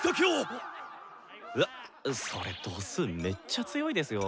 うわっそれ度数めっちゃ強いですよ。